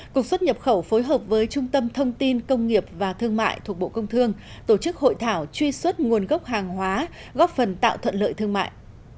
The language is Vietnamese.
cục xuất nhập khẩu phối hợp với trung tâm thông tin công nghiệp và thương mại thuộc bộ công thương tổ chức hội thảo truy xuất nguồn gốc hàng hóa góp phần tạo thuận lợi thương mại